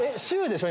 でしょ？